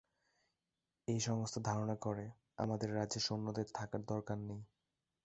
এ সংস্থা ধারনা করে, আমাদের রাজ্যে সৈন্যদের থাকার দরকার নেই।